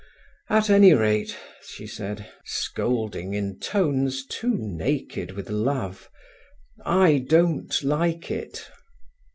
"At any rate," she said, scolding in tones too naked with love, I don't like it."